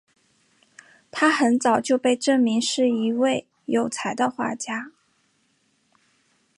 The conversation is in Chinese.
她很早就被证明是一位有才华的画家。